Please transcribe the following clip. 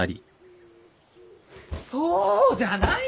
そうじゃない！